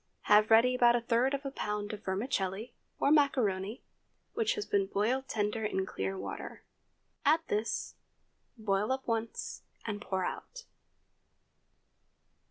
Have ready about a third of a pound of vermicelli (or macaroni), which has been boiled tender in clear water. Add this; boil up once, and pour out.